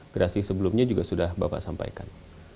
gerasi sebelumnya juga sudah bapak sampaikan